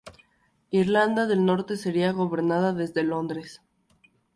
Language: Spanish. Irlanda del Norte sería gobernada desde Londres.